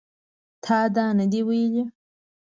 تا دا نه دي ویلي